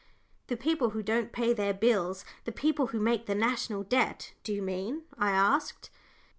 "The people who don't pay their bills the people who make the National Debt, do you mean?" I asked.